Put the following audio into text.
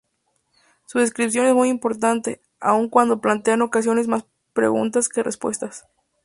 Su descripción es muy importante, aun cuando plantea en ocasiones más preguntas que respuestas.